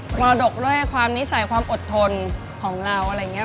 มรดกด้วยความนิสัยความอดทนของเราอะไรอย่างนี้